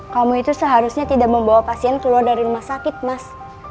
kamu itu seharusnya tidak membawa pasien keluar dari rumah sakit mas